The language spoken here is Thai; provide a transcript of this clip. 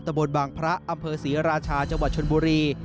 บนบางพระอำเภอศรีราชาจังหวัดชนบุรี